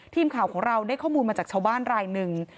ทีมข่าวของเราได้ข้อมูลมาจากชาวบ้านรายหนึ่ง